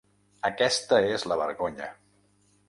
Aquesta és la vergonya.